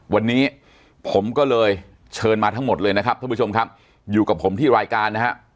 วันนี้ผมก็เลยเชิญมาทั้งหมดเลยนะครับท่านผู้ชมครับอยู่กับผมที่รายการนะฮะ